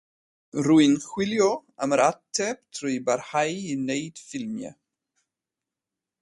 Rwy'n chwilio am yr ateb trwy barhau i wneud ffilmiau.